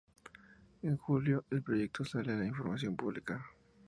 En julio, el proyecto sale a información pública.